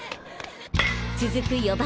続く４番